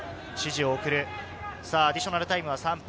アディショナルタイムは３分。